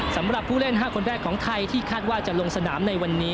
สำหรับผู้เล่น๕คนแรกของไทยที่คาดว่าจะลงสนามในวันนี้